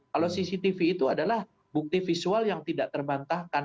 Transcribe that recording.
kalau cctv itu adalah bukti visual yang tidak terbantahkan